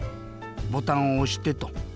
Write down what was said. ボタンをおしてと。